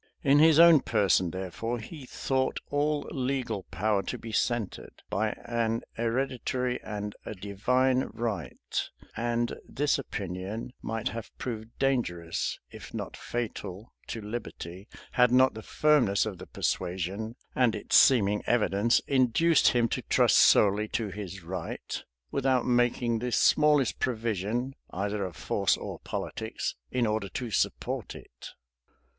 In his own person, therefore, he thought all legal power to be centred, by an hereditary and a divine right: and this opinion might have proved dangerous, if not fatal to liberty, had not the firmness of the persuasion, and its seeming evidence, induced him to trust solely to his right, without making the smallest provision, either of force or politics, in order to support it.